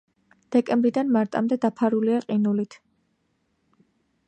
დეკემბრიდან მარტამდე დაფარულია ყინულით.